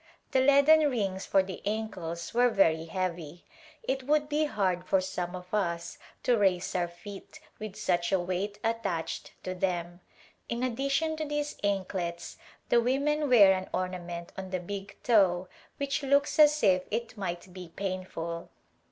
The leaden rings for the ankles were very heavy ; it would be hard for some of us to raise our feet with such a weight attached to them. In addition to these anklets the women wear an orna ment on the big toe which looks as if it might be painful.